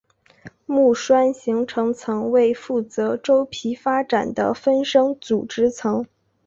木栓形成层为负责周皮发展的分生组织层。